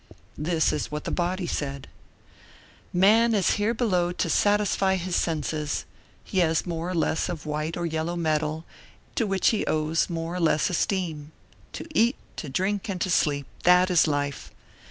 This is what the body said: "Man is here below to satisfy his senses, he has more or less of white or yellow metal to which he owes more or less esteem. To eat, to drink and to sleep, that is life.